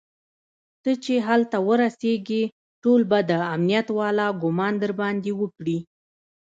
ته چې هلته ورسېږي ټول به د امنيت والا ګومان درباندې وکړي.